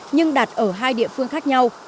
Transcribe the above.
nhưng đặt ở hai địa phương khác nhau